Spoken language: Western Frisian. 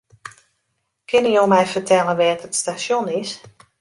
Kinne jo my fertelle wêr't it stasjon is?